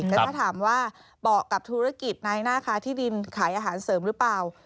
แต่ถ้าถามว่าเหมาะกับธุรกิจในหน้าค้าที่ดินขายอาหารเสริมหรือเปล่า